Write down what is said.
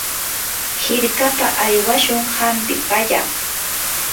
hirkapa aywashun hampi pallaq.